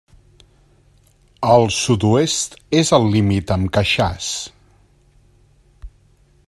Al sud-oest és el límit amb Queixàs.